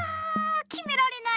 きめられない！